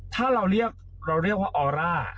ถ้าเราเรียกเราเรียกว่าออร่า